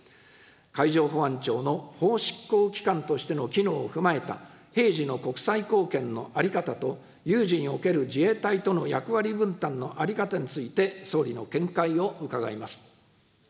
海上保安庁の法執行機関としての機能を踏まえた平時の国際貢献の在り方と、有事における自衛隊との役割分担の在り方について、総理の見解を伺います。